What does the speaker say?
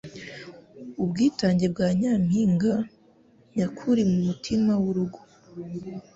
Ubwitange bwa Nyampinga nyakuri Mutima w'urugo